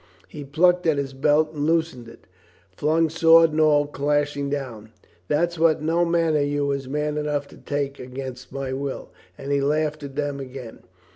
He plucked at his belt and loosening it, flung sword and all clashing down. "There's what no man of you is man enough to take against my will !" And he laughed at them again.